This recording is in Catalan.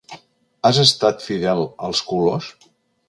Has estat fidel als colors?